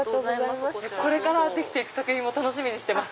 これからできて行く作品も楽しみにしてます。